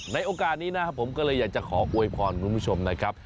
โอกาสนี้นะครับผมก็เลยอยากจะขออวยพรคุณผู้ชมนะครับ